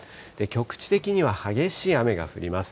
局地的には激しい雨が降ります。